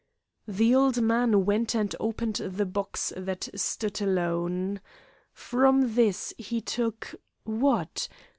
The old man went and opened the box that stood alone. From this he took, what?